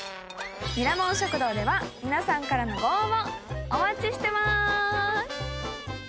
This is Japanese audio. ミラモン食堂では皆さんからのご応募お待ちしてまーす。